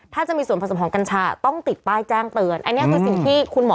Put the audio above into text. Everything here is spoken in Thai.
ถ้าจะมีส่วนผสมของกัญชาต้องติดป้ายแจ้งเตือน